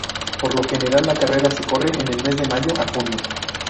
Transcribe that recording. Por lo general, la carrera se corre en el mes de mayo o junio.